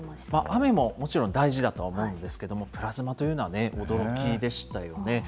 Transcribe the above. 雨ももちろん大事だとは思うんですけれども、プラズマというのはね、驚きでしたよね。